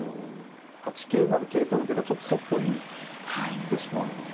８九馬で桂取る手がちょっとそっぽに行ってしまうので。